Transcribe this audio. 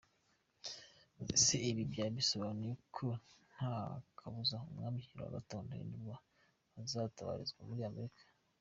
Ese ibi byaba bisobanuye ko nta kabuza umwami Kigeli V Ndahindurwa azatabarizwa muri Amerika ?